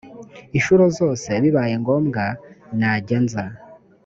inshuro zose bibaye ngomwa najyanza.